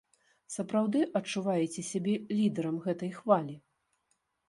Сапраўды адчуваеце сябе лідарам гэтай хвалі?